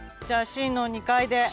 じゃあＣの２階で。